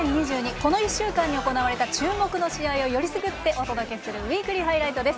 この１週間に行われた注目の試合をよりすぐって、お届けする「ウイークリーハイライト」です。